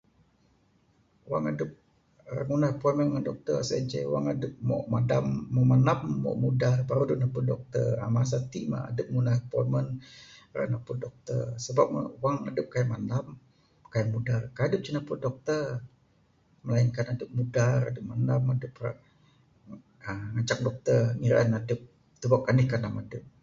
Wang adup uhh ngundah apointment dengan dokter sien ceh wang adup moh madam moh mandam, moh mudar, baru adup napud dokter. uhh masa ti mah adup ngundah apointment ra napud dokter. Sebab ne wang adup kai mandam, kai mudar, kai ce adup napud dokter. melainkan adup mudar, adup mandam, adup ra, uhh ngancak dokter ngirian adup , tubuk anih kandam adup.